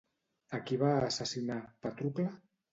A qui va assassinar Pàtrocle?